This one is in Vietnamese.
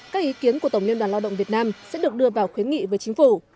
các ý kiến của tổng liên đoàn lao động việt nam sẽ được đưa vào khuyến nghị với chính phủ